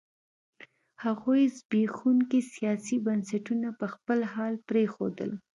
هغوی زبېښونکي سیاسي بنسټونه په خپل حال پرېښودل.